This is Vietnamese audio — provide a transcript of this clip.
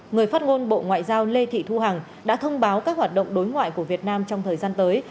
người phát ngôn bộ ngoại giao lê thị thu hằng đã thông báo các hoạt động đối ngoại của việt nam trong thời gian tới